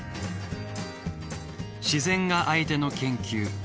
自然が相手の研究。